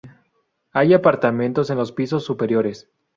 Hay apartamentos en los pisos superiores.